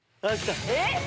えっ？